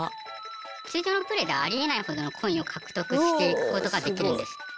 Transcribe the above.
通常のプレーではありえないほどのコインを獲得していくことができるんです。